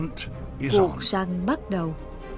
cuộc săn bắt đầu